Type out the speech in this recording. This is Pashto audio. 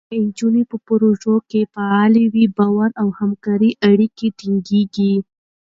که نجونې په پروژو کې فعاله وي، باور او همکارۍ اړیکې ټینګېږي.